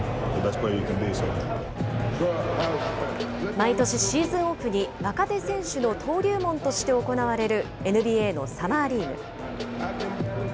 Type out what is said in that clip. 毎年シーズンオフに若手選手の登竜門として行われるＮＢＡのサマーリーグ。